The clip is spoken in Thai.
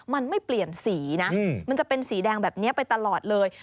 มันไม่เปลี่ยนสีนะมันจะเป็นสีแดงแบบนี้ไปตลอดเลย